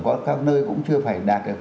có các nơi cũng chưa phải đạt được